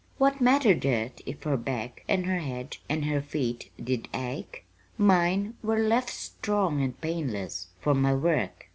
What mattered it if her back and her head and her feet did ache? Mine were left strong and painless for my work.